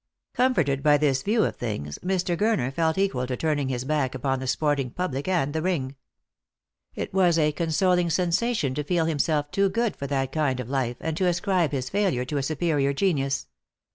Comforted by this view of things, Mr. Gurner felt equal to turning his back upon the sporting public and the ring. It was a consoling sensation to feel himself too good for that kind of life, and to ascribe his failure to a superior genius.